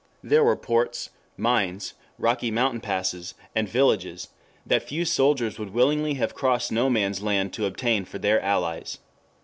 There were ports, and mines, rocky mountain passes, and villages that few soldiers would willingly have crossed No Man's Land to obtain for their allies.